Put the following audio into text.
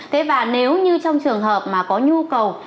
thế và nếu như trong trường hợp mà có nhu cầu